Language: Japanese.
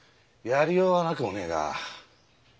やりようはなくもねえが。